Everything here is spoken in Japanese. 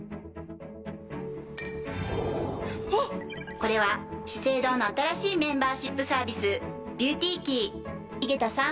これは「資生堂」の新しいメンバーシップサービス「ＢｅａｕｔｙＫｅｙ」井桁さん